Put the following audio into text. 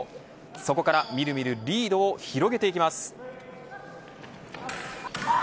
そこからみるみるリードを広げていきます